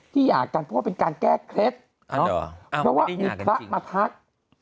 หย่ากันเพราะว่าเป็นการแก้เคล็ดเพราะว่ามีพระมาทัก